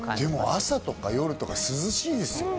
朝とか夜とか涼しいですよ。